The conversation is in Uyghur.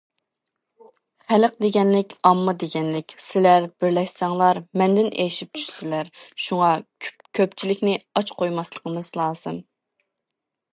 خەلق دېگەنلىك ئامما دېگەنلىك، سىلەر بىرلەشسەڭلار مەندىن ئېشىپ چۈشىسىلەر، شۇڭا كۆپچىلىكنى ئاچ قويماسلىقىمىز لازىم.